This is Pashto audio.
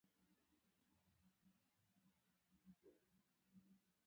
د ازرې ولسوالۍ لیرې ده